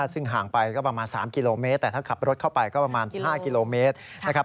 ซึ่งห่างไปก็ประมาณ๓กิโลเมตรแต่ถ้าขับรถเข้าไปก็ประมาณ๕กิโลเมตรนะครับ